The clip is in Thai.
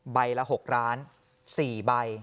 ใบละ๖ล้าน๔ใบ